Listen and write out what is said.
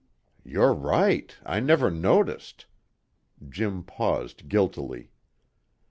"You're right; I never noticed " Jim paused guiltily.